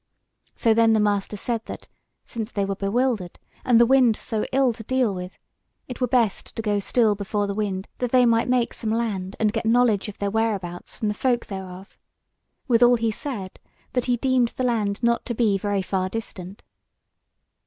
So then the master said that, since they were bewildered, and the wind so ill to deal with, it were best to go still before the wind that they might make some land and get knowledge of their whereabouts from the folk thereof. Withal he said that he deemed the land not to be very far distant.